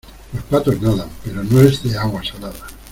los patos nadan. pero no es de agua salada